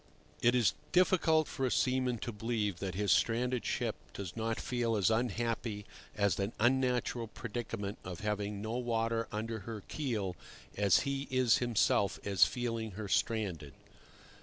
XX. IT is difficult for a seaman to believe that his stranded ship does not feel as unhappy at the unnatural predicament of having no water under her keel as he is himself at feeling her stranded.